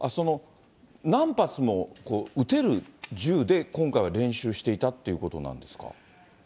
何発も撃てる銃で、今回は練習していたということなんですか。